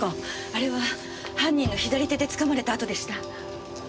あれは犯人の左手でつかまれたあとでした。